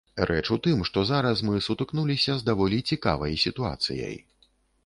Рэч у тым, што зараз мы сутыкнуліся з даволі цікавай сітуацыяй.